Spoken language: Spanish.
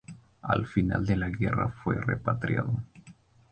Al final de la guerra fue repatriado.